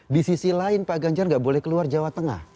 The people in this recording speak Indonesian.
di sisi lain pak ganjar gak boleh keluar jawa tengah